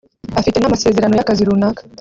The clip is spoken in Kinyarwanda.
afite n’amasezerano y’akazi runaka